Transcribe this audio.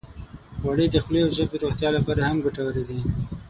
غوړې د خولې او ژبې روغتیا لپاره هم ګټورې دي.